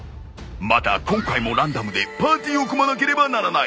また今回もランダムでパーティーを組まなければならない。